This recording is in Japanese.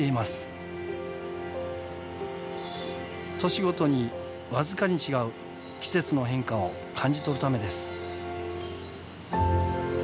年ごとにわずかに違う季節の変化を感じ取るためです。